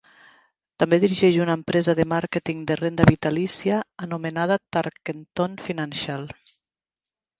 També dirigeix una empresa de màrqueting de renda vitalícia anomenada Tarkenton Financial.